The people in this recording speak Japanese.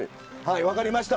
分かりました。